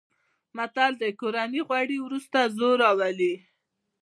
متل دی: کورني غوړي ورسته زور راولي.